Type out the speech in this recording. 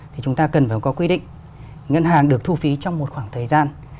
thì chúng ta cần phải có quy định ngân hàng được thu phí trong một khoảng thời gian